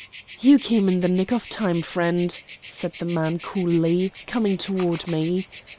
] "You came in the nick of time, friend," said the man coolly, coming toward me.